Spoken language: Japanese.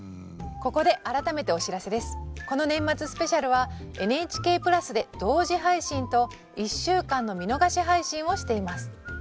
この「年末スペシャル」はＮＨＫプラスで同時配信と１週間の見逃し配信をしています。